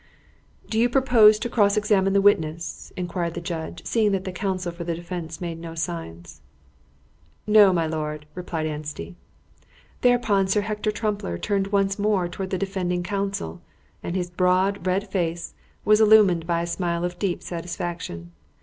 "Do you propose to cross examine the witness?" inquired the judge, seeing that the counsel for the defence made no sign. "No, my lord," replied Anstey. Thereupon Sir Hector Trumpler turned once more towards the defending counsel, and his broad, red face was illumined by a smile of deep satisfaction.